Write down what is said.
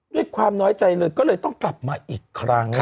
ด้วยความน้อยใจเลยก็เลยต้องกลับมาอีกครั้ง